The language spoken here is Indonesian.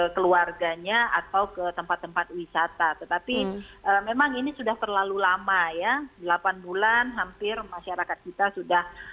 keluarganya atau ke tempat tempat wisata tetapi memang ini sudah terlalu lama ya delapan bulan hampir masyarakat kita sudah